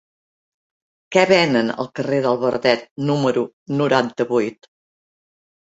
Què venen al carrer del Verdet número noranta-vuit?